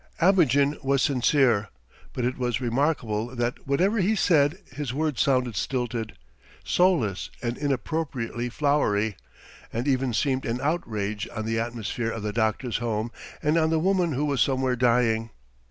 Abogin was sincere, but it was remarkable that whatever he said his words sounded stilted, soulless, and inappropriately flowery, and even seemed an outrage on the atmosphere of the doctor's home and on the woman who was somewhere dying.